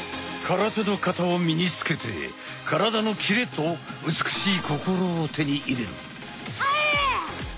空手の形を身につけて体のキレと美しい心を手に入れる。